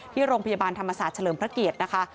ที่โรงพยาบาลธรรมศาสตร์เฉลิมพระเกียรตินะคะ